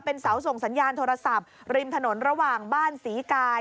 เป็นเสาส่งสัญญาณโทรศัพท์ริมถนนระหว่างบ้านศรีกาย